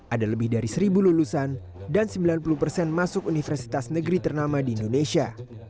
ada lebih dari seribu lulusan dan sembilan puluh persen masuk universitas negeri ternama di indonesia